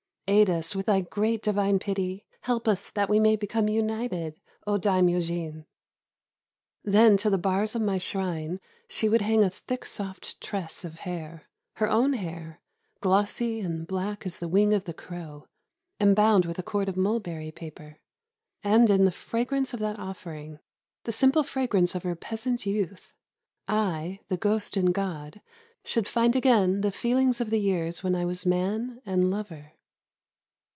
Aid us with thy great divine pity !— help us that we may become united, O Daimyojin!" Then to the bars of my shrine she would hang a thick soft tress of hair, — her own hair, glossy and black as the wing of the crow, and bound with a cord of mulberry paper. And in the fragrance of that offering, — the simple fragrance of her peasant youth, — I, the ghost and god, should find again the feelings of the years when I was man and lover.